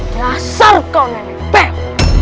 jasar kau nenek